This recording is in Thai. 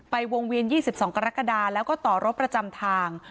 วงเวียน๒๒กรกฎาแล้วก็ต่อรถประจำทาง